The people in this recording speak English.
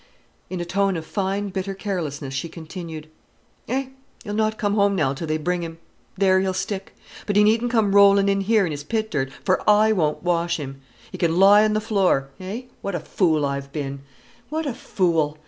In a tone of fine bitter carelessness she continued: "Eh, he'll not come now till they bring him. There he'll stick! But he needn't come rolling in here in his pit dirt, for I won't wash him. He can lie on the floor—— Eh, what a fool I've been, what a fool!